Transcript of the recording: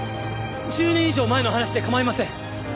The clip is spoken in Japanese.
１０年以上前の話で構いません！